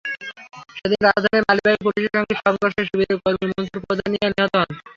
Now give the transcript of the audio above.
সেদিন রাজধানীর মালিবাগে পুলিশের সঙ্গে সংঘর্ষে শিবিরের কর্মী মুনসুর প্রধানিয়া নিহত হন।